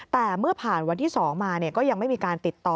แต่เมื่อผ่านวันที่๒มาก็ยังไม่มีการติดต่อ